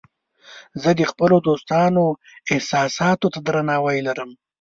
زه د خپلو دوستانو احساساتو ته درناوی لرم.